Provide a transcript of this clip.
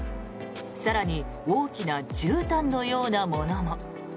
更に、大きなじゅうたんのようなものも。